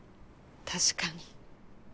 確かに。